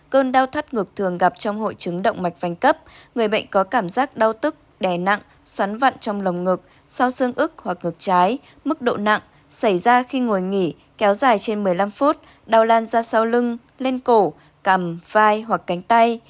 cơn đau thắt ngực thường gặp trong hội chứng động mạch phanh cấp người bệnh có cảm giác đau tức đè nặng xoắn vặn trong lồng ngực sau xương ức hoặc ngực trái mức độ nặng xảy ra khi ngồi nghỉ kéo dài trên một mươi năm phút đau lan ra sau lưng lên cổ cầm vai hoặc cánh tay